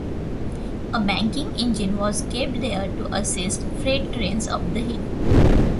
A banking engine was kept there to assist freight trains up the hill.